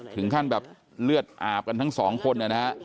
ถึงขั้นแบบเลือดอาบกันทั้งสองคนนะฮะ